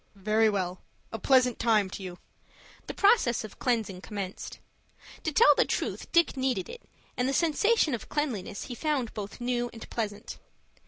"Very well. A pleasant time to you." The process of cleansing commenced. To tell the truth Dick needed it, and the sensation of cleanliness he found both new and pleasant.